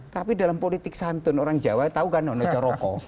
tapi dalam politik santun orang jawa tau kan nono coroko